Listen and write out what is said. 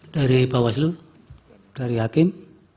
dari bawaslu dari hakim